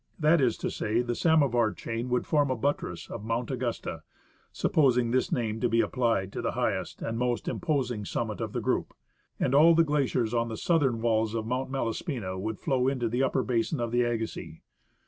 That is to say, the Samovar chain would form a buttress of Mount Augusta (supposing this name to be applied to the highest and most imposing summit of the group), and all the glaciers on the southern walls of Mount Malaspina would flow into the upper basin of the Agassiz.